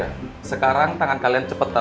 eh lo kadang nge perpet saatetek